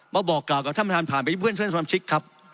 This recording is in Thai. บอกกล่าวกับท่านประธานผ่านไปที่เพื่อนสมาชิกครับ